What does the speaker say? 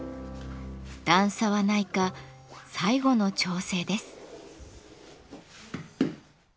段差はないか最後の調整です。